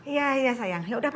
ya udah berangkat sekolah ya